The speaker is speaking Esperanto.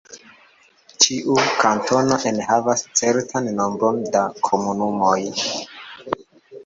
Ĉiu kantono enhavas certan nombron da komunumoj.